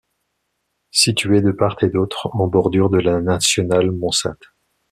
Situé de part et d'autre en bordure de la nationale Mons-Ath.